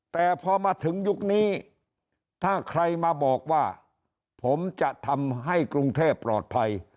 แต่พอมาถึงยุคนี้ถ้าใครมาบอกว่าผมจะทำให้กรุงเทพปลอดภัย